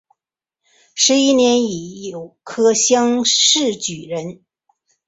十一年乙酉科乡试举人。